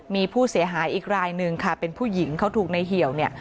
มีผู้เสียหายอีกรายหนึ่งค่ะเป็นผู้หญิงเขาถูกในเหี่ยวเนี่ย